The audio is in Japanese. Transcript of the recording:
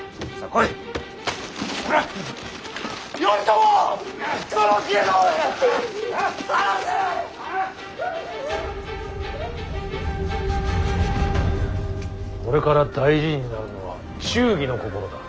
これから大事になるのは忠義の心だ。